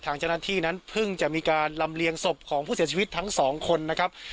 ทางเจ้าหน้าที่นั้นเพิ่งจะมีการลำเลียงศพของผู้เสียชีวิตทั้งสองคนนะครับ